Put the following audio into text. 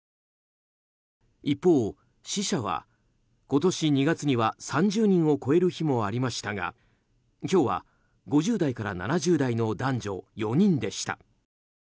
一方、死者は今年２月には３０人を超える日もありましたが今日は５０代から７０代の男女４人でした。